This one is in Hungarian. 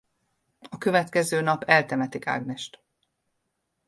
A következő nap eltemetik Agnest.